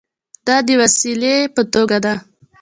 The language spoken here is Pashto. دا د وسیلې په توګه ده.